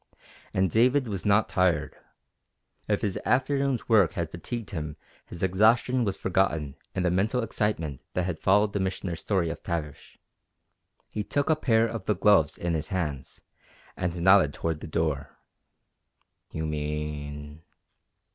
And David was not tired. If his afternoon's work had fatigued him his exhaustion was forgotten in the mental excitement that had followed the Missioner's story of Tavish. He took a pair of the gloves in his hands, and nodded toward the door. "You mean...."